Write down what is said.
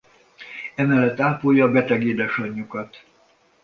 Emellett ápolja beteg édesanyjukat.